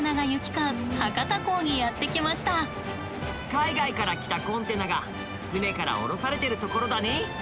海外から来たコンテナが船から降ろされてるところだね。